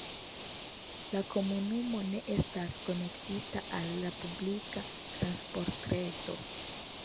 La komunumo ne estas konektita al la publika transportreto.